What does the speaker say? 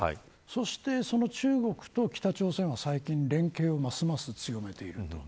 そして、その中国と北朝鮮は最近連携をますます強めている。